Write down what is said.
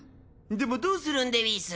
でもどうするんでうぃす？